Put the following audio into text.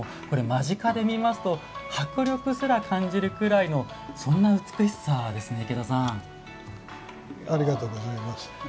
これ間近で見ますと迫力すら感じるくらいのそんな美しさですね池田さん。ありがとうございます。